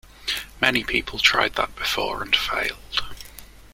Many people tried that before and failed.